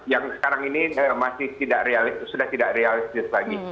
yang sekarang ini masih sudah tidak realistis lagi